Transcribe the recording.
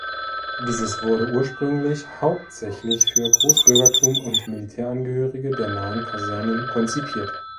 Dieses wurde ursprünglich hauptsächlich für Großbürgertum und Militärangehörige der nahen Kasernen konzipiert.